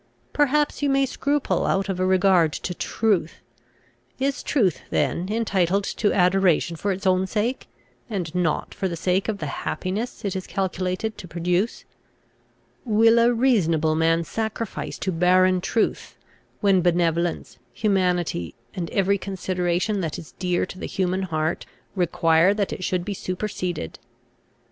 Perhaps you may scruple out of a regard to truth. Is truth then entitled to adoration for its own sake, and not for the sake of the happiness it is calculated to produce? Will a reasonable man sacrifice to barren truth, when benevolence, humanity, and every consideration that is dear to the human heart, require that it should be superseded?